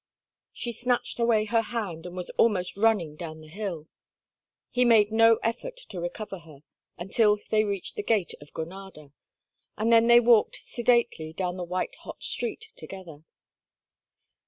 She had snatched away her hand and was almost running down the hill. He made no effort to recover her until they reached the Gate of Granada, and then they walked sedately down the white hot street together.